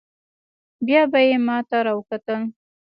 بيا به يې ما ته راوکتل.